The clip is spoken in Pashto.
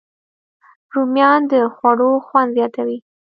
رومیان د خوړو خوند زیاتوي